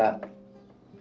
jadi aku berangkat